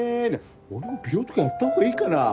俺も美容とかやった方がいいかなぁ？